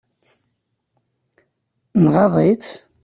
Nɣaḍ-itt?